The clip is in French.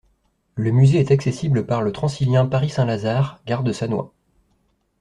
Le musée est accessible par le Transilien Paris Saint-Lazare, gare de Sannois.